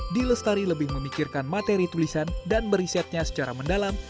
d lestari lebih memikirkan materi tulisan dan berisetnya secara mendalam